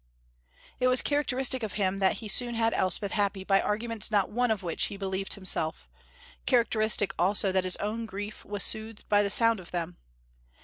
It was characteristic of him that he soon had Elspeth happy by arguments not one of which he believed himself; characteristic also that his own grief was soothed by the sound of them.